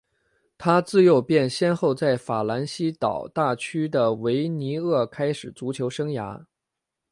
他自幼便先后在法兰西岛大区的维尼厄开始足球生涯。